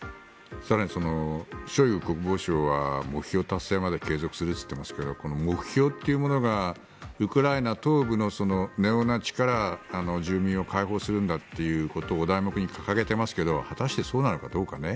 更にショイグ国防相は目標達成まで継続すると言っていますがこの目標というものがウクライナ東部のネオナチから住民を解放するんだということをお題目に掲げていますけれど果たしてそうなのかどうか。